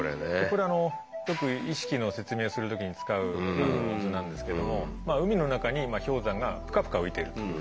これよく意識の説明する時に使う図なんですけども海の中に氷山がプカプカ浮いてると。